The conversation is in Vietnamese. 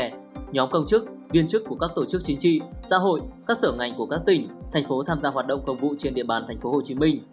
đón công chức viên chức của các tổ chức chính trị xã hội các sở ngành của các tỉnh thành phố tham gia hoạt động công vụ trên địa bàn thành phố hồ chí minh